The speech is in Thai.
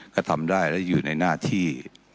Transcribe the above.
ก็ทำได้และอยู่ในหน้าที่